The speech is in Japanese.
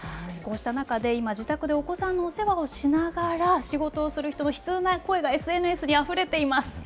こうした中で、今自宅でお子さんのお世話をしながら仕事をする人の悲痛な声がＳＮＳにあふれています。